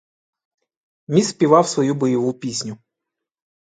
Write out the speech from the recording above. Міст співав свою бойову пісню.